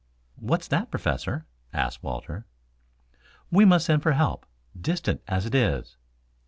"What's that, Professor?" asked Walter. "We must send for help, distant as it is."